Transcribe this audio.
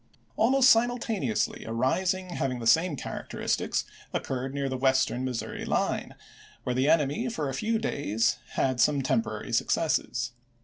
Almost simultaneously a rising having the same characteristics occurred near the Western Missouri line, where the enemy for a few days had some temporary successes.